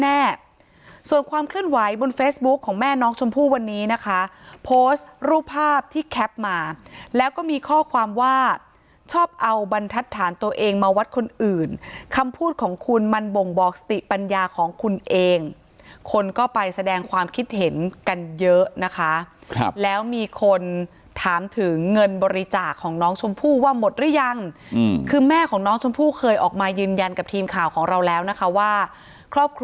แน่ส่วนความขึ้นไหวบนเฟสบุ๊คของแม่น้องชมพู่วันนี้นะคะโพสต์รูปภาพที่แคปมาแล้วก็มีข้อความว่าชอบเอาบรรทัดฐานตัวเองมาวัดคนอื่นคำพูดของคุณมันบ่งบอกสติปัญญาของคุณเองคนก็ไปแสดงความคิดเห็นกันเยอะนะคะแล้วมีคนถามถึงเงินบริจาคของน้องชมพู่ว่าหมดหรือยังคือแม่ของน้องชมพู่เคยออก